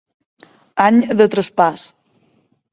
Any de traspàs.